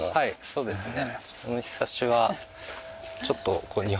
そうですね。